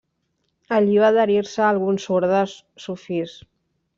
Allí va adherir-se a alguns ordes sufís.